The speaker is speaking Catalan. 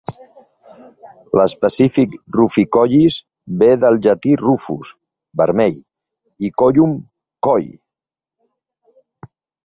L"específic "ruficollis" ve del llatí "rufus" (vermell) i "collum" (coll).